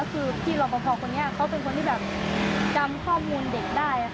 คือพี่หลอคุณพี่นี่เขาเป็นคนที่จำข้อมูลเด็กได้